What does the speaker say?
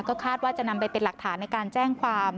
ก็คาดว่าจะนำไปเป็นหลักฐานในการแจ้งความ